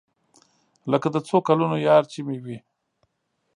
لکه د څو کلونو يار چې مې وي.